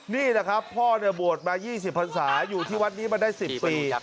นี่แหละครับพ่อบวชมา๒๐พันศาอยู่ที่วัดนี้มาได้๑๐ปี